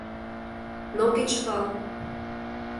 Но кечывал...